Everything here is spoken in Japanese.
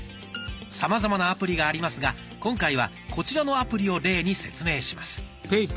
さまざまなアプリがありますが今回はこちらのアプリを例に説明します。